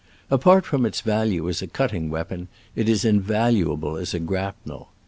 Apart from its value as a cutting weapon, it is invaluable as a grapnel.